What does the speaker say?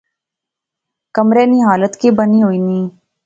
کمرے نی حالت کہہ بنی ہوئی نی